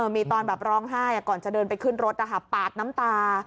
มีตอนแบบร้องไห้ก่อนจะเดินไปขึ้นรถปาดน้ำตา